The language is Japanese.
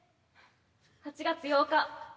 ８月８日。